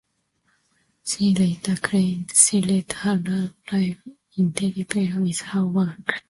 She later claimed she let her love life interfere with her work.